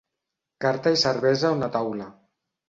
Carta i cervesa a una taula.